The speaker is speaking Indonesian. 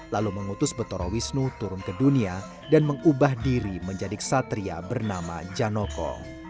lalu mengutus betorowisnu turun ke dunia dan mengubah diri menjadi ksatria bernama janoko